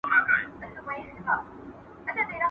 خبري د خلکو له خوا کيږي!